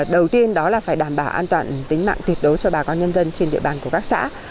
đầu tiên đó là phải đảm bảo an toàn tính mạng tuyệt đối cho bà con nhân dân trên địa bàn của các xã